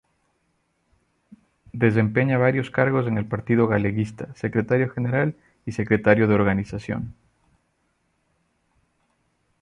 Desempeña varios cargos en el Partido Galeguista: secretario general y secretario de organización.